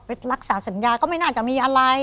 รักษาสัญญาก็ไม่น่าจะมีอะไร